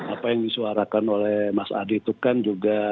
apa yang disuarakan oleh mas adi itu kan juga